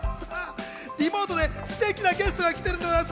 リモートですてきなゲストが来てるんです。